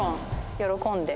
喜んで。